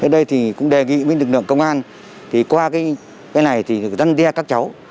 đây cũng đề nghị với lực lượng công an qua cái này thì dân đe các cháu